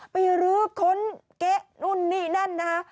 ไปลืบค้นเกะนู่นนี่นั่น